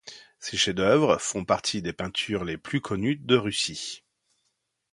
Ses chefs-d'œuvre font partie des peintures les plus connues de Russie.